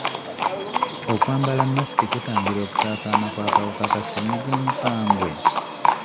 Okwambala masiki kutangira okusaasaana kw'akawuka ka ssennyiga omukambwe?